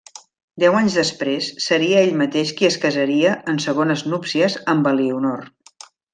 Deu anys després seria ell mateix qui es casaria en segones núpcies amb Elionor.